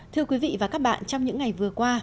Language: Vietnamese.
thưa quý vị và các bạn trong những ngày vừa qua